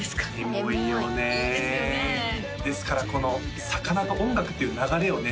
エモいよねですからこの魚と音楽っていう流れをね